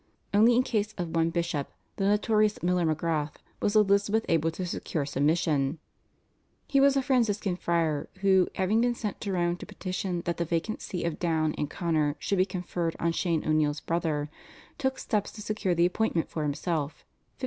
Only in case of one bishop, the notorious Miler Magrath, was Elizabeth able to secure submission. He was a Franciscan friar, who, having been sent to Rome to petition that the vacant See of Down and Connor should be conferred on Shane O'Neill's brother, took steps to secure the appointment for himself (1565).